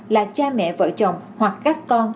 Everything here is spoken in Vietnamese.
là cha mẹ vợ chồng hoặc các con